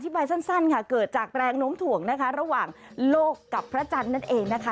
บายสั้นค่ะเกิดจากแรงโน้มถ่วงนะคะระหว่างโลกกับพระจันทร์นั่นเองนะคะ